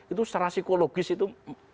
itu secara psikologis itu